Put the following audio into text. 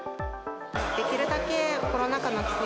できるだけ、コロナ禍の帰省